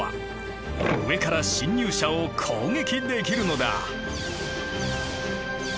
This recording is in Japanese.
上から侵入者を攻撃できるのだ。